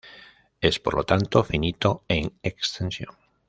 Es, por lo tanto finito en extensión.